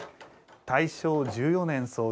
大正１４年創業。